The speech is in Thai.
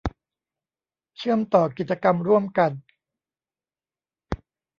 เชื่อมต่อกิจกรรมร่วมกัน